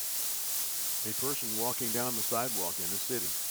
A person walking down the sidewalk in a city.